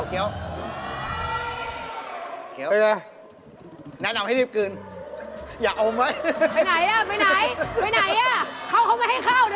เดี๋ยวให้เข้าเดี๋ยวเห็นราคา